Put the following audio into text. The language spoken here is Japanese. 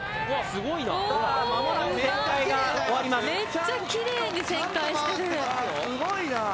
すごいなぁ。